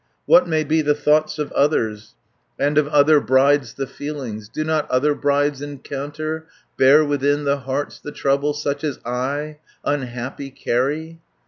"What may be the thoughts of others, And of other brides the feelings? Do not other brides encounter, Bear within their hearts the trouble, Such as I, unhappy, carry?